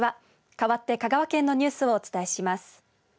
かわって香川県のニュースをお伝えします。